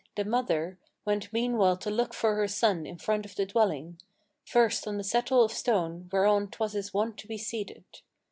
The mother Went meanwhile to look for her son in front of the dwelling, First on the settle of stone, whereon 'twas his wont to be seated.